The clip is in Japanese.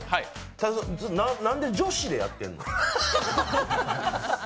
ただ、なんで女子でやってるの？